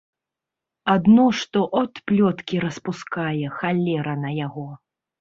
Адно што от плёткі распускае, халера на яго.